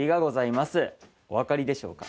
お分かりでしょうか？